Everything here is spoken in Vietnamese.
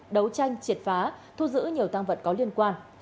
đấu tranh triệt phá thu giữ nhiều tăng vật có liên quan